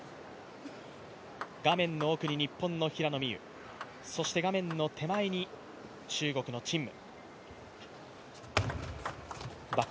画面の奥に日本の平野美宇、そして画面の手前に中国の陳夢。